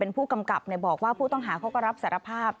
ผู้กำกับบอกว่าผู้ต้องหาเขาก็รับสารภาพ